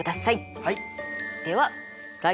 はい。